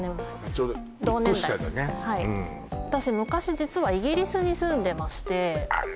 ちょうど私昔実はイギリスに住んでましてあら